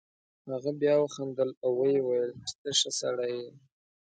هغه بیا وخندل او ویې ویل چې ته ښه سړی یې.